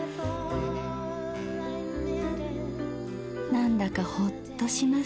なんだかホッとします。